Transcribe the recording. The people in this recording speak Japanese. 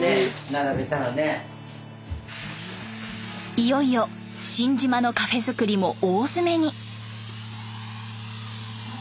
いよいよ新島のカフェ造りも大詰めに。